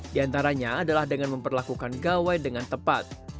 diantaranya adalah dengan memperlakukan gawai dengan tepat